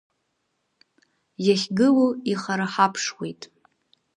Иахьгылоу ихарахаԥшуеит.